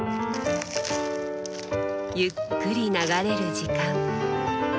ゆっくり流れる時間。